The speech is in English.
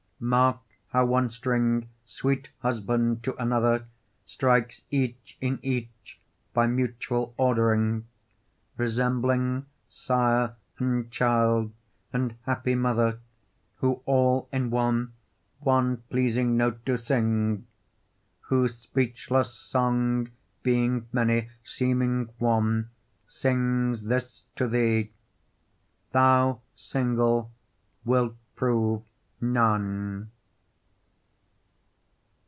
Mark how one string, sweet husband to another, Strikes each in each by mutual ordering; Resembling sire and child and happy mother, Who, all in one, one pleasing note do sing: Whose speechless song being many, seeming one, Sings this to thee: 'Thou single wilt prove none.